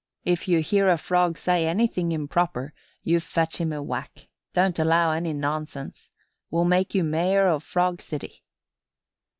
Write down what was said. If you hear a frog say anything improper you fetch him a whack. Don't allow any nonsense. We'll make you Mayor of Frog City."